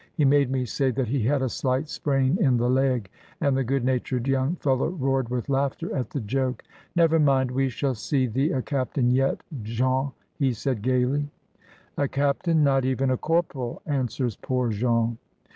"He made me say that he had a slight sprain in the leg," and the good natured young fellow roared with laughter at the joke. "Never mind, we shall see thee a captain yet, Jean!" he said gaily. "A captain! not even a corporal," answers poor Jean.